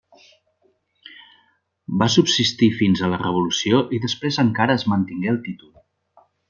Va subsistir fins a la revolució i després encara es mantingué el títol.